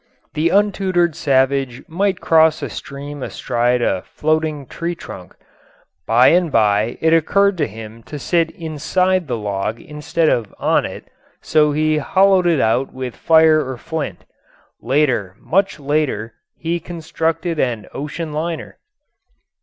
The untutored savage might cross a stream astride a floating tree trunk. By and by it occurred to him to sit inside the log instead of on it, so he hollowed it out with fire or flint. Later, much later, he constructed an ocean liner.